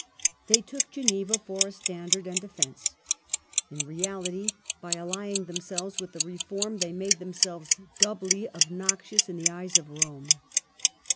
They took Geneva for a standard and defence. In reality, by allying themselves with the Reform they made themselves doubly obnoxious in the eyes of Rome.